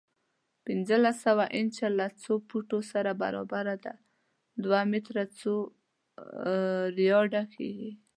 پنځلس سوه انچه له څو فوټو سره برابره ده؟ دوه میټر څو یارډه کېږي؟